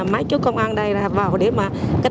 đứng chốt tuần tra kiểm soát